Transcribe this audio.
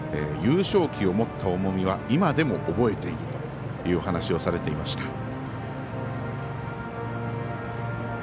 優勝旗を持った重みは今でも覚えているというお話をされていました。